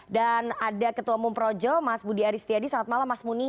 dan ada ketua umum projo mas budi aris tiyadi selamat malam mas muni